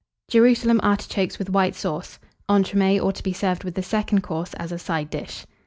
JERUSALEM ARTICHOKES WITH WHITE SAUCE. (Entremets, or to be served with the Second Course as a Side dish.)